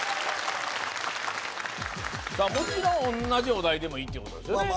もちろん同じお題でもいいってことですよね